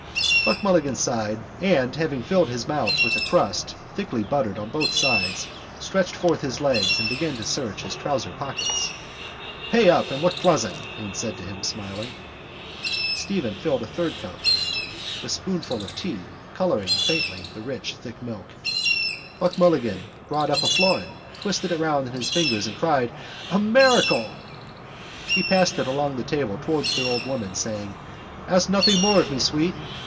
Buck Mulligan sighed and, having filled his mouth with a crust thickly buttered on both sides, stretched forth his legs and began to search his trouser pockets. —Pay up and look pleasant, Haines said to him, smiling. Stephen filled a third cup, a spoonful of tea colouring faintly the thick rich milk. Buck Mulligan brought up a florin, twisted it round in his fingers and cried: —A miracle! He passed it along the table towards the old woman, saying: —Ask nothing more of me, sweet.